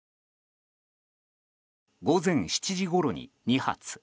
午前７時ごろに２発。